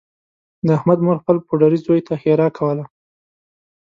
د احمد مور خپل پوډري زوی ته ښېرا کوله